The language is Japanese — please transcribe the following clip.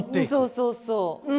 そうそうそう。